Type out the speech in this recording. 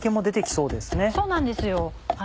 そうなんですよ。